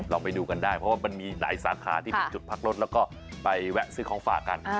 เราไปดูกันได้เพราะว่ามันมีหลายสาขาที่เป็นจุดพักรถแล้วก็ไปแวะซื้อของฝากกัน